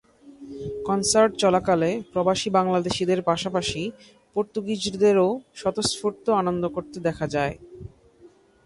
Concert চলাকালে প্রবাসী বাংলাদেশিদের পাশাপাশি পর্তুগিজদেরও স্বতঃস্ফূর্ত আনন্দ করতে দেখা যায়।